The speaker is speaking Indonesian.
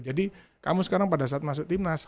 jadi kamu sekarang pada saat masuk timnas